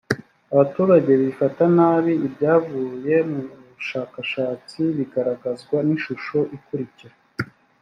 abaturage bifata nabi ibyavuye mu bushakashatsi bigaragazwa n ishusho ikurikira